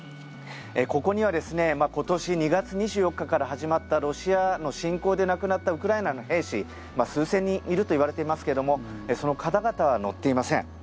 ここにはですね今年２月２４日から始まったロシアの侵攻で亡くなったウクライナの兵士数千人いるといわれていますけどもその方々は載っていません。